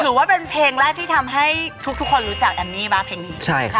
ถือว่าเป็นเพลงแรกที่ทำให้ทุกทุกคนรู้จักแอมมี่บ้างเพลงนี้ใช่ค่ะ